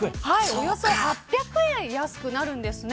およそ８００円安くなるんですね。